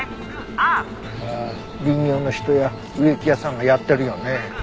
林業の人や植木屋さんがやってるよね。